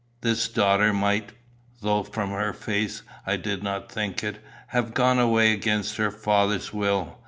This daughter might, though from her face I did not think it, have gone away against her father's will.